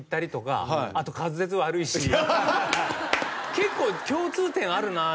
結構共通点あるなと。